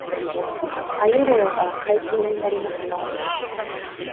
鮎漁が解禁になりました